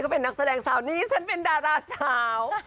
เป็นนักแสดงสาวนี้ฉันเป็นดาราสาว